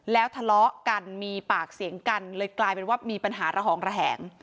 แล้วทะเลาะกันมีปากเสียงกันเลยกลายเป็นว่ามีปัญหาระหองระแหง